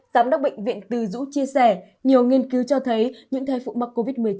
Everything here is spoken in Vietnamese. giám đốc bệnh viện từ dũ chia sẻ nhiều nghiên cứu cho thấy những thai phụ mắc covid một mươi chín